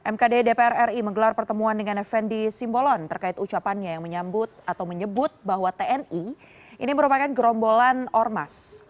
mkd dpr ri menggelar pertemuan dengan fnd simbolon terkait ucapannya yang menyambut atau menyebut bahwa tni ini merupakan gerombolan ormas